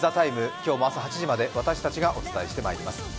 今日も朝８時まで私たちがお伝えしてまいります。